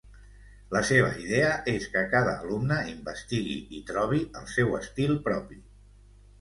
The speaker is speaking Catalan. La seva idea és que cada alumne investigui i trobi el seu estil propi.